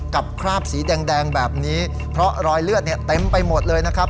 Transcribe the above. คราบสีแดงแบบนี้เพราะรอยเลือดเนี่ยเต็มไปหมดเลยนะครับ